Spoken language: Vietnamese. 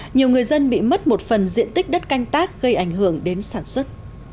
nhiều người dân bị mất một phần diện tích đất canh tác gây ảnh hưởng đến sản xuất